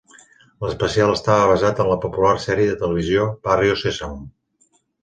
L'especial estava basat en la popular sèrie de televisió "Barrio Sésamo".